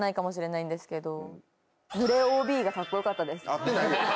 合ってないよ。